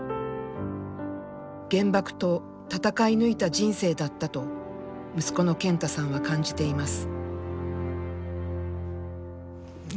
原爆と戦い抜いた人生だったと息子の健太さんは感じています。